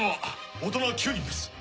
大人９人です。